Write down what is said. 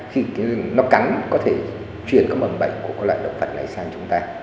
khi nó cắn có thể truyền các mầm bệnh của các loại động vật này sang chúng ta